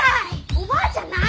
おばあちゃん何！？